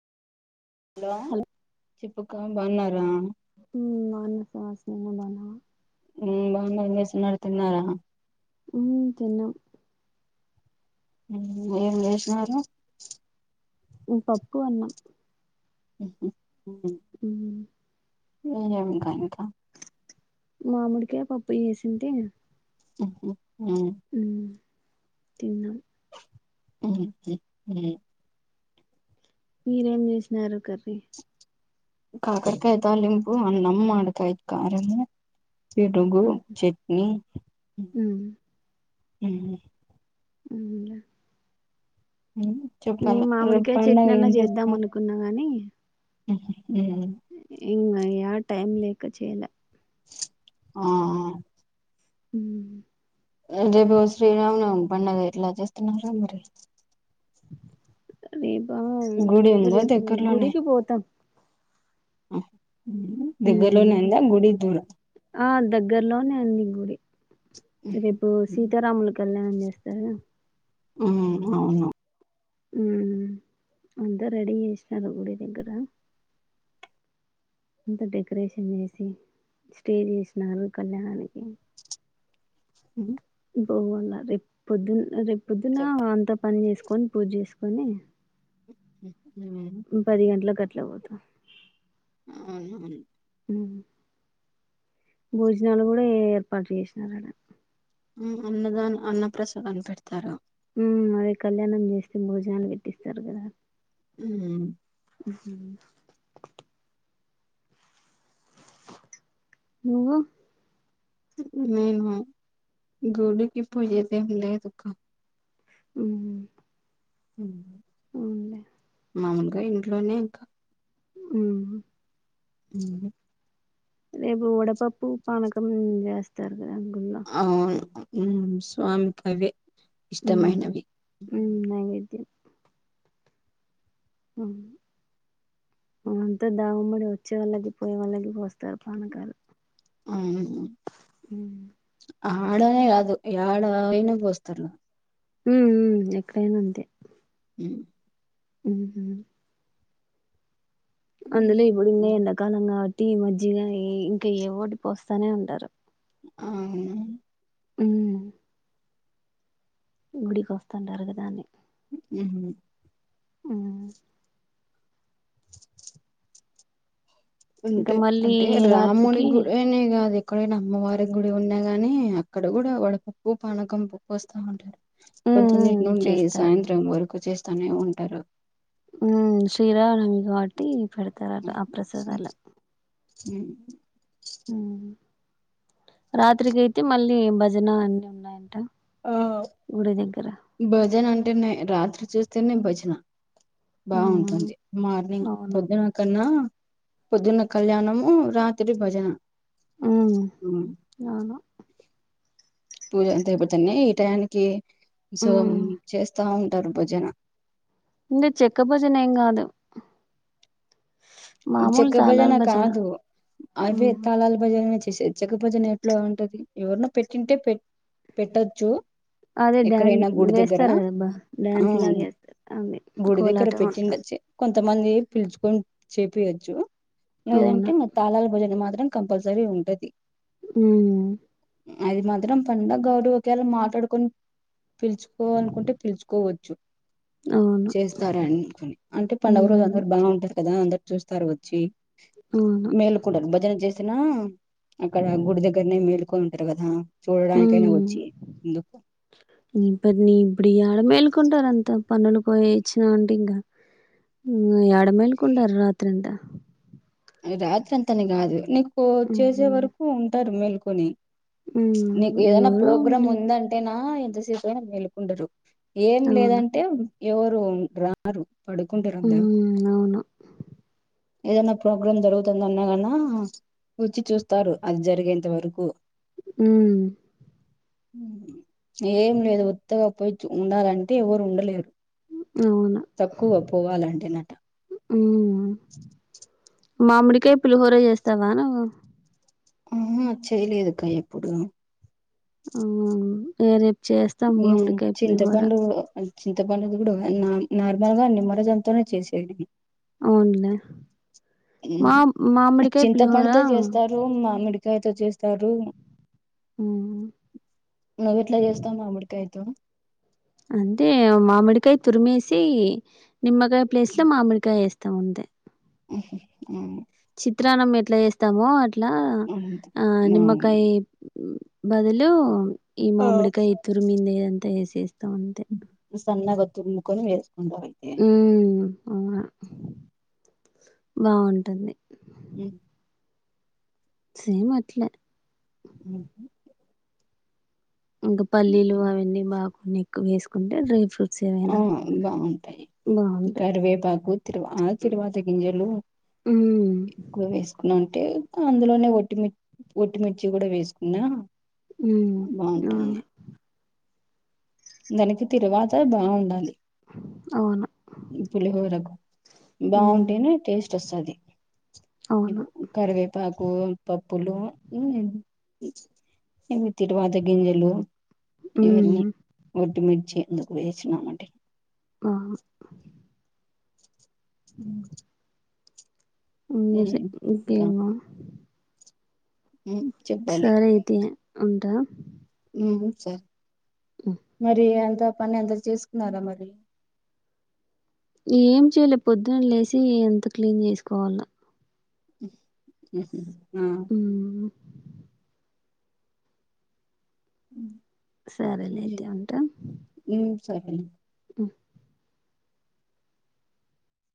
Hello చెప్పుక్క బాగున్నారా హు బాగున్నా ఫాస్టింగ్ ఉండన్నా హ్మ్ బాగున్నారు ఏం చేస్తున్నారు తిన్నారా హ్మ్ తిన్నాం హ్మ్ ఏం చేసినారు ఉ పప్పు అన్నా ఉహు ఉ ఏం ఇంకా ఇంకా మామిడి కాయ పప్పు చేసింది అ [unintelligible] తిన్నాం [unintelligible] మీరు ఏం చేసినారు కర్రీ కాకరకాయ తాలింపు అన్నం మాడికాయ కారము పెరుగు మ్మ్ చట్నీ మ్మ్ ఉ ఉన్న ఉమ్ చెప్పాల రేపు మామిడికాయ పండుగ చట్నీ అన్నా ఏం చేద్దాం చేస్తున్నారు అనుకున్నా గాని ఉహు ఊ [unintelligible] టైం లేక చేయలా ఆ ఉ ఆ రేపు శ్రీరామనవమి పండగ ఎట్లా చేస్తున్నారో మరి [unintelligible] గుడి ఐ ఉందా రేపు గుడికి పోతం ఆ దూరం ఆ దగ్గర్లోనే ఉంది గుడి రేపు సీతారాముల కళ్యాణం వస్తారా ఉ అవును ఉ అంతా రెడీ చేసాము గుడి కాడ అంత డెకరేషన్ చేసి స్టేజ్ వేసినారు కళ్యాణానికి హ్మ పోగున్నా రేపొద్దున్న రేపు పొద్దున చెప్ అంత పని చేసు కొని పూజ చేసుకొని హమ్ అట్ల పోతిమి ఆ భోజనాలు కూడా ఏర్పాటు చేసినం అన్నదానం అన్నప్రసాదం పెడతారా ఉమ్ అదే కళ్యాణం చేస్తే భోజనాలు పెట్టిస్తారు కదా ఉమ్ హమ్ నువ్వు నేను గుడికి పోయేదేం లేదుగా ఉమ్మ్ ఉమ్ హమ్ మాముూలుగా ఇంట్లోనే ఇంకా ఉహు ఉ రేపు వడపప్పు పానకం ఉ చేస్తారు కదా గుళ్ళో అవును ఉ స్వామి కి అవే ఉమ్ ఇష్టమైనవి ఉమ్ నైవేద్యం ఉ అంతా దామ్మడి వచ్చే వాళ్ళకి పోయే వాళ్ళకి పోస్తారు పానకాలు ఉమ్ ఆ ఆడనే కాదు ఎడ అయిన బోస్తారు ఉ ఉ ఎక్కడైనా అంతే ఉ ఉ హ అందులో ఇప్పుడు మే ఉమ్ ఎండాకాలం కావటి ఈ మజ్జిగా అని ఇంకా ఏ ఓటి పోస్తానే ఉంటారు ఆ అవును ఉ గుడికొస్తానండార్ కదా అనీ ఉమ్ హు ఉమ్ చి చి ఇంకా అంటే మళ్ళీ అంటే రాముడి రాత్రికి గుడి అనే కాద్ ఎక్కడనా అమ్మవారి గుడి ఉన్నా గాని అక్కడ కూడా వడపప్పు పనకం పప్పు పోస్తా ఉంటారు ఉమ్ పొద్దు నీ ఉమ్ నుండి చేస్తారు సాయంత్రం వరకు క్కు చేస్తనే ఉంటారు ఉమ్ శ్రీరామనవమి వటి పెడతారంటా ఆ ప్రసాదాలు ఉ ఉ రాత్రికి అయితే మళ్ళీ భజన అన్ని ఉన్నాయంట ఆ గుడి దగ్గర భజన అంటేనే రాత్రి చూస్తేనే భజన ఉమ్ బాగుంటుంది మార్నింగ్ అవును పొద్దున కన్నా పొద్దున కళ్యాణము రాత్రి భజన ఉ ఉమ్, అవునా పూజ అంత అయిపోతేనే ఈ టైనికి సో ఉమ్ చేస్తా ఉంటారు భజన ఇంగ చెక్క భజన ఎం కాదు ఉమ్ మామూలు చెక్క తాళాల భజన కాదు అదే ఉమ్ తళల్ భజన చే చెక్క భజన ఎట్ల ఉంటది ఎవర్నో పెట్టింటే పె పెట్టొచ్చు అదే డ్యాన్స్ ఎక్కడైనా గుడి దగ్గర వేస్తారు కదబ్బా ఆ డాన్స్ లాగ వేస్తారు అదే కోలాటం అట్లా మంది పిలుచుకుం చెపియొచ్చు అవును లేదంటే మా తాళాల భోజనం మాత్రం కంపల్సరీ ఉంటది ఉమ్ అది మాత్రం పడగాదు కదా మాట్లాడుకొని పిలుచుకోవాలనుకుంటే పిలుచుకోవచ్చు అవును చేస్తార అనీకొని అంటే పండుగ రోజు ఉమ్ అందరు బాగుంటారు కదా అందరు చూస్తారు వచ్చి అవును మేలు కూడమ్ భజన చేసే నా అక్కడ గుడి దగ్గరనే మేల్కొని ఉంటారు కదా చూడడానికైనా ఉమ్ వచ్చి నందుకు క్కడ మేల్కుంటారు అంతా పన్నులు పోయ ఇచ్చిన అంటే ఇంకా ఉమ్ యాడ మైల్కండారు రాత్రంతా రాత్ర అంత న కాదు న చేసే ఉమ్ వరకు ఉంటారు మేల్ కుని ఉమ్ నీకు ఏదైనా ఎవరో ప్రోగ్రామ్ ఉండేది ఉందంటే నా ఎంతసే మేల్కుండరు ఏం అవును లేదంటే ఎవరు రారు పడుకంటరంద ఉమ్ అవును ఏదన్న ప్రోగ్రాం జరుగుతుంది అన్నాగాన్నా వచ్చి చూస్తారు అది జరిగేంత వరకు ఉ ఏం లేదు ఒత్తగా పోయి ఉండాలంటే ఎవరు ఉండలేరు అవును తక్కువ పోవాలంటే నట అవును అ మామిడికాయ పులిహోర చేస్తావా నువ్వు? ఆహ, చేయలేదుక్క ఎప్పుడు ఆ వే చేస్తాం మామిడికాయ పలిహోర చింతపండు చింతపండుది కూడా నార్మల్ గా నిమ్మరసంతోనే చేసేది అవునులే మా మామిడికాయ పులిహోర చింతపడుతో చేస్తారు మామిడి ల చేస్తారు మ్ అవెట్ల చేస్తావు మామిడికాయతో? అంటే మామిడికాయ తురిమేసి నిమకాయ ప్లేస్ లో మామిడికాయ ఏస్ అంతే ఉహు ఉ చిత్రానం ఎట్ల చేస్తామో అట్ లా ఆ నిమ్మకాయి బదులు ఈ మామిడికాయ ఎత్తరు మీందే అంత ఏసి ఈ సన్నగా తుర్మ్ కొన్ని వె కొండ పడితే మ్ అవును బాగుంటుంది మ్ సేమ్ అట్లే హ్ ఇంకా పల్లీలు అవన్నీ బా కొన్ని ఎక్కో వేస్కుంటే డ్రై ఫ్రూట్ ఆ బాగుంటాయి. బాగుంటాయి కరివేపాకు తిరువా ఆ తిరువాతి గింజలు మ్ ఎక్కువ వేస్కున అంటే అందులోనే ఒట్టిమి ఒట్టిమిర్చి గుడా వేస్కున్నా మ్ అవునా దానికి తిరువాత బాగుండాలి. అవున ఈ పులిహోరకు మ్ బాగుంటేనే టేస్ట్ వస్తది మీకు అవును కరివేపాకు పప్పులు అన్ని తిరువాత గింజలు ఇవన్నీ మ్ ఒట్టిమి చీ ఎందుకు వేయించినామంటే ఆ హ్ మ్యూజిక్ నువ్వేమో మ్ చెప్పాలి అయితే ఉంటా మ్ స మిరియాలు పాయ్ పని అంతా చేసుకున్నారా మరి ఏం చేయలే పొద్దున్న లేసి అంత క్లీన్ చేస్కోవాల ఆ ఉ సరేలే అయితే ఉంటా సరే